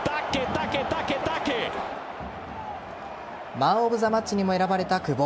マン・オブ・ザ・マッチにも選ばれた久保。